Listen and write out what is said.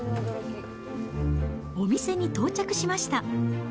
お店に到着しました。